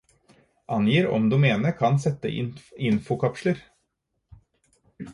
Angir om domenet kan sette infokapsler.